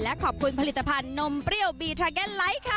และขอบคุณผลิตภัณฑ์นมเปรี้ยวบีทราเก็ตไลท์ค่ะ